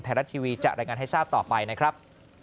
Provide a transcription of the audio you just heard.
ไทยรัฐทีวีจะรายงานให้ทราบต่อไปนะครับ